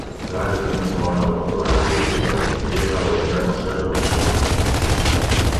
Abans de començar la nova temporada artística a l'estranger, va realitzar concerts a Barcelona.